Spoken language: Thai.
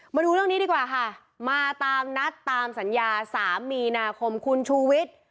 มาดูเรื่องนี้ดีกว่าค่ะมาตามนัดตามสัญญา๓มีนาคมคุณชูวิทย์